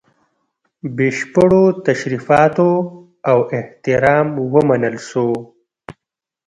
بشپړو تشریفاتو او احترام ومنل سو.